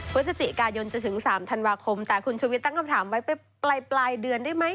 พฤศจิกายนจนถึง๓ธันวาคมแต่คุณชุวิตตั้งคำถามไว้ไปปลายเดือนได้ไหม